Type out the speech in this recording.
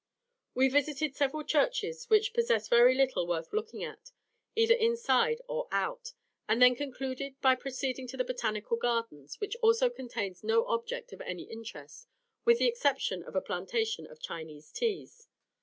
We visited several churches which possess very little worth looking at, either inside or out, and then concluded by proceeding to the Botanical Garden, which also contains no object of any interest, with the exception of a plantation of Chinese teas.